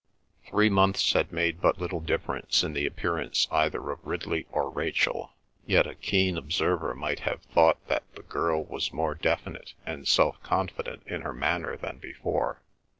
Three months had made but little difference in the appearance either of Ridley or Rachel; yet a keen observer might have thought that the girl was more definite and self confident in her manner than before.